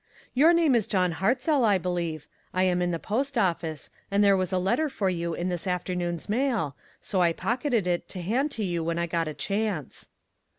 "Your name is John Hartzell, I believe. I am in the post office, and there was a let ter for you in this afternoon's mail, so I pocketed it to hand to you when I got a chance."